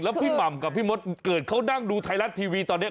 พี่หม่ำกับพี่มดเกิดเขานั่งดูไทยรัฐทีวีตอนนี้